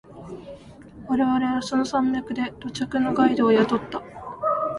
我々はその山脈で土着のガイドを雇った。